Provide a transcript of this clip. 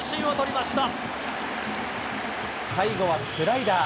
最後はスライダー。